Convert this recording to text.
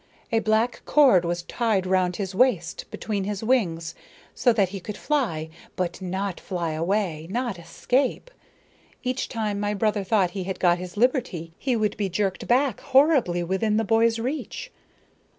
"A black cord was tied round his waist between his wings, so that he could fly, but not fly away, not escape. Each time my brother thought he had got his liberty, he would be jerked back horribly within the boy's reach."